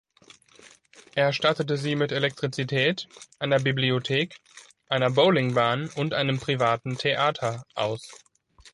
Er stattete sie mit Elektrizität, einer Bibliothek, einer Bowlingbahn und einem privaten Theater aus.